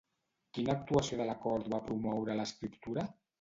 Quina actuació de la cort va promoure l'escriptura?